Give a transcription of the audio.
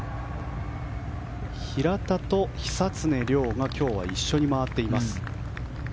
平田と久常涼が今日は一緒に回っています。